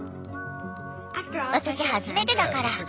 私初めてだから。